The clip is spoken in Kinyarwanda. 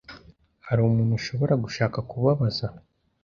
Hari umuntu ushobora gushaka kubabaza ?